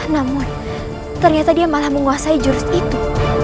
namun ternyata dia malah menguasai jurus itu